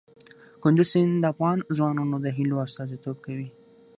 کندز سیند د افغان ځوانانو د هیلو استازیتوب کوي.